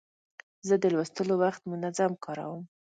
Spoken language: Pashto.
زه د لوستلو وخت منظم کاروم.